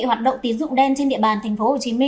hoạt động tín dụng đen trên địa bàn tp hcm